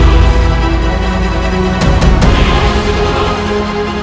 dan obatnya sudah tidak ada